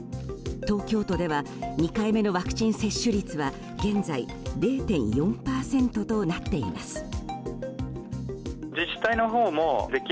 東京都では２回目のワクチン接種率は現在、０．４％となっています。